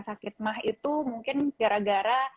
sakit mah itu mungkin gara gara